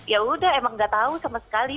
yaudah emang nggak tahu sama sekali